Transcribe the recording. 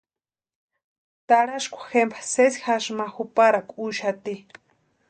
Taraskwa jempa sesi jasï ma juparakwa úxaati.